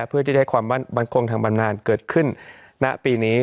เพื่อที่จะให้ความบันคงทางบำนานเกิดขึ้นณปีนี้